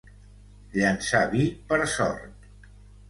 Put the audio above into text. Llençar vi per sort.